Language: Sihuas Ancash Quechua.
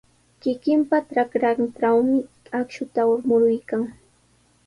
Kikinpa trakrantrawmi akshuta muruykan.